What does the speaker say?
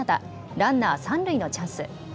ランナー三塁のチャンス。